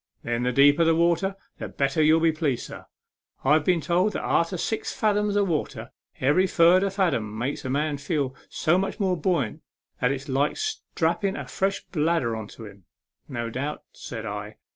" Then the deeper the water, the better you'll be pleased, sir. I've been told that arter six fadom of water every furder fadom makes a man feel so much more buoyant that it's like strapping a fresh bladder on to him." " No doubt/' said I.